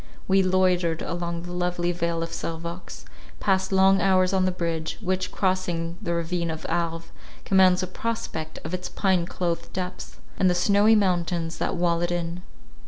We loitered along the lovely Vale of Servox; passed long hours on the bridge, which, crossing the ravine of Arve, commands a prospect of its pine clothed depths, and the snowy mountains that wall it in.